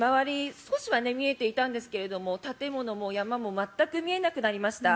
少しは見えていたんですけども建物も山も全く見えなくなりました。